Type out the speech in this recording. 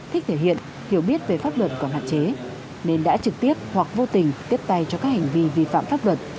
thích thể hiện hiểu biết về pháp luật còn hạn chế nên đã trực tiếp hoặc vô tình tiếp tay cho các hành vi vi phạm pháp luật